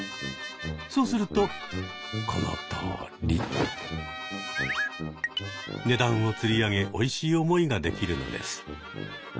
そうするとこのとおり。値段をつり上げおいしい思いができるのです。